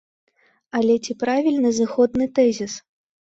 Але ці правільны зыходны тэзіс?